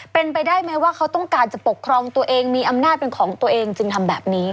เป็นไปได้ไหมว่าเขาต้องการจะปกครองตัวเองมีอำนาจเป็นของตัวเองจึงทำแบบนี้